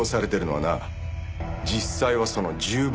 実際はその１０倍だ。